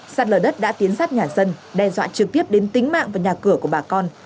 sạt lở đất đã tiến sát nhà dân đe dọa trực tiếp đến tính mạng và nhà cửa của bà con